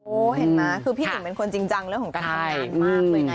เห็นไหมคือพี่ติ๋มเป็นคนจริงจังเรื่องของการทำงานมากเลยนะ